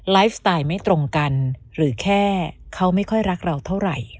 ไลฟ์สไตล์ไม่ตรงกันหรือแค่เขาไม่ค่อยรักเราเท่าไหร่